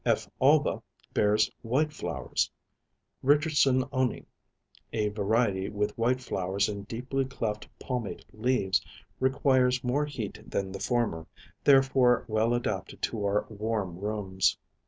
F. Alba bears white flowers. Richardsonii, a variety with white flowers and deeply cleft palmate leaves, requires more heat than the former, therefore well adapted to our warm rooms.